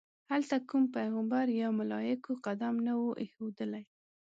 هلته کوم پیغمبر یا ملایکو قدم نه وي ایښودلی.